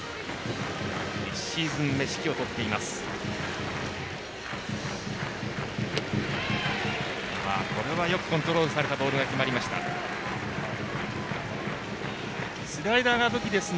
１シーズン目の指揮を執っています。